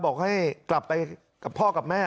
บอกให้กลับไปกับพ่อกับแม่